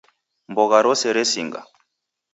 Mbogha rose resinga